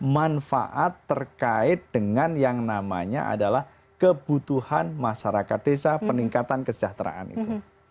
manfaat terkait dengan yang namanya adalah kebutuhan masyarakat desa peningkatan kesejahteraan itu